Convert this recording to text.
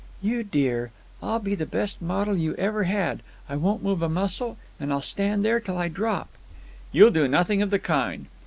"You dear! I'll be the best model you ever had. I won't move a muscle, and I'll stand there till I drop." "You'll do nothing of the kind.